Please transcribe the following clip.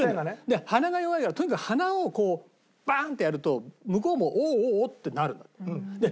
鼻が弱いからとにかく鼻をバンってやると向こうもおおおおおおってなるんだって。